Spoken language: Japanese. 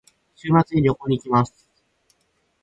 週末に旅行に行きます。